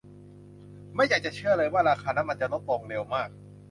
ไม่อยากจะเชื่อเลยว่าราคาน้ำมันจะลดลงเร็วมาก